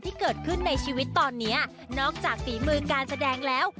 ที่เกิดขึ้นในชีวิตตอนนี้นอกจากฝีมือการแสดงแล้ว